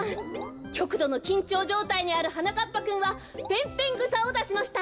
きょくどのきんちょうじょうたいにあるはなかっぱくんはペンペングサをだしました。